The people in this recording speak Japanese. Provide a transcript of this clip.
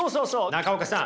中岡さん